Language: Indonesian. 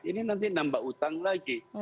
ini nanti nambah utang lagi